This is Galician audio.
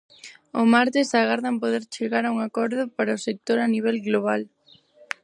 O martes agardan poder chegar a un acordo para o sector a nivel global.